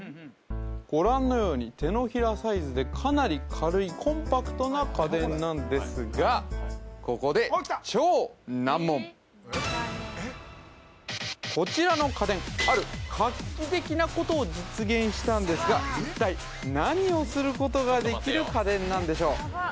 ご覧のように手のひらサイズでかなり軽いコンパクトな家電なんですがここでこちらの家電したんですが一体何をすることができる家電なんでしょう？